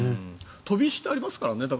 飛び石ってありますからね。